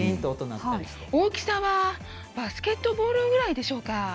大きさはバスケットボールぐらいでしょうか。